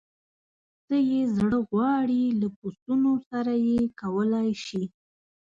څه یې زړه غواړي له پسونو سره یې کولای شي.